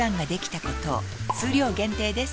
数量限定です